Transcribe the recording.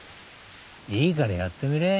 いいからやってみれ。